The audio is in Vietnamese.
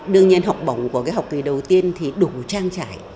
đương nhiên học bổng của cái học kỳ đầu tiên thì đủ trang trải